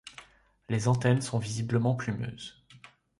Les antennes sont visiblement plumeuses.